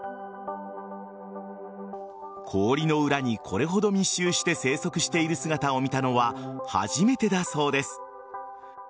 氷の裏にこれほど密集して生息している姿を見たのは初めてだそうです。